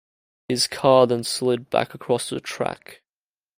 His car then slid back across the track.